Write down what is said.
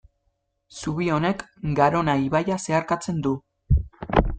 Zubi honek Garona ibaia zeharkatzen du.